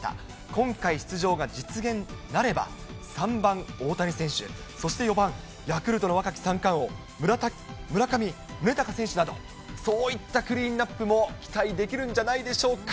今回、出場が実現なれば、３番大谷選手、そして４番、ヤクルトの若き三冠王、村上宗隆選手など、そういったクリーンナップも期待できるんじゃないでしょうか。